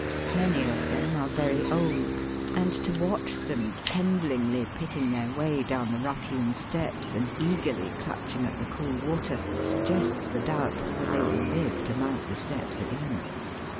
Many of them are very old, and to watch them tremblurgly picking their way down the rough hewn steps and eagerly clutching at the cool water suggests the doubt whether they will live to mount the steps again.